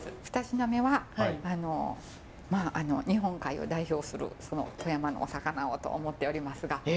二品目はあのまああの日本海を代表する富山のお魚をと思っておりますが。